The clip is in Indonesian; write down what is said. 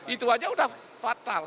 itu saja sudah fadil